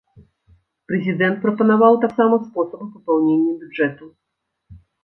Прэзідэнт прапанаваў таксама спосабы папаўнення бюджэту.